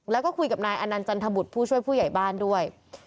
แล้วก็คุยกับนายอนันต์จันทบุตรผู้ช่วยผู้ใหญ่บ้านด้วย